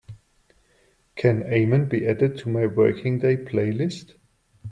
Can amen be added to my working day playlist?